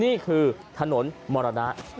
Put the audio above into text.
นี่คือถนนมรณะ